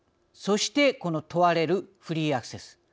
そして問われるフリーアクセス。